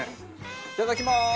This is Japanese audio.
いただきまーす！